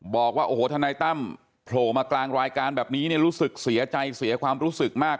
บอกว่าโอ้โหทนายตั้มโผล่มากลางรายการแบบนี้เนี่ยรู้สึกเสียใจเสียความรู้สึกมาก